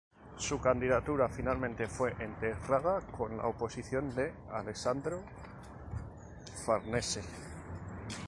Su candidatura finalmente fue enterrada con la oposición de Alessandro Farnese.